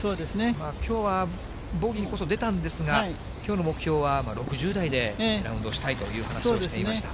きょうはボギーこそ出たんですが、きょうの目標は６０台でラウンドしたいという話をしていました。